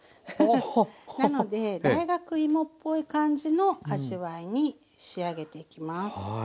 なので大学いもっぽい感じの味わいに仕上げていきます。